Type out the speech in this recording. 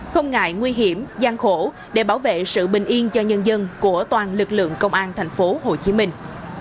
không ngại nguy hiểm gian khổ để bảo vệ sự bình yên cho nhân dân của toàn lực lượng công an thành phố hồ chí minh